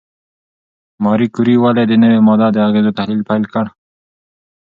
ماري کوري ولې د نوې ماده د اغېزو تحلیل پیل کړ؟